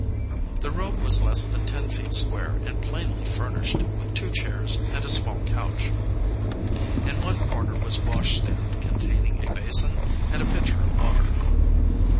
The room was less than ten feet square and plainly furnished with two chairs and a small couch. In one corner was a washstand containing a basin and a pitcher of water.